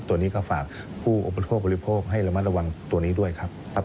ตัวนี้ก็ฝากผู้อุปโภคบริโภคให้ระมัดระวังตัวนี้ด้วยครับ